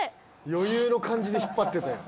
余裕の感じで引っ張ってたよ。